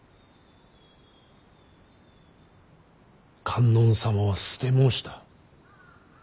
観音様は捨て申した。